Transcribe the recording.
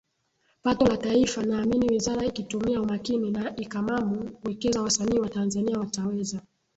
pato la taifa Naamni wizara ikitumia umakini na ikamamu kuwekeza wasanii wa Tanzania wataweza